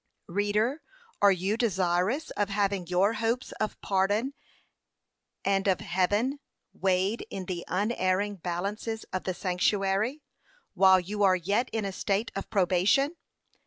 Reader, are you desirous of having your hopes of pardon, and of heaven, weighed in the unerring balances of the sanctuary; while you are yet in a state of probation?